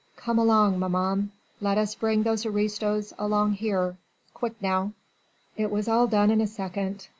Come along, maman, let us bring those aristos along here. Quick now." It was all done in a second.